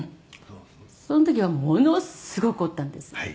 「その時はものすごく怒ったんです」